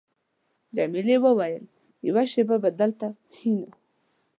جميلې وويل:، یوه شېبه به دلته کښېنو.